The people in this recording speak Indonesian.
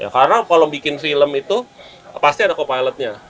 karena kalau bikin film itu pasti ada co pilotnya